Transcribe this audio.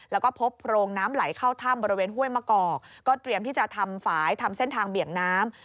แล้วก็พบโพรงน้ำไหลเข้าถ้ำบริเวณห้วยมะกอกก็เตรียมที่จะทำฝ่ายทำเส้นทางเบี่ยงน้ำ